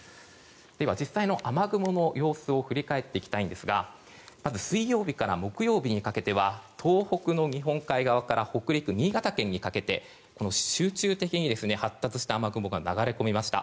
では実際の雨雲の様子を振り返っていきたいんですがまず水曜日から木曜日にかけては東北の日本海側から北陸、新潟県にかけて集中的に発達した雨雲が流れ込みました。